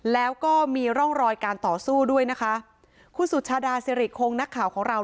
แล้วก็มีร่องรอยการต่อสู้ด้วยนะคะคุณสุชาดาสิริคงนักข่าวของเรา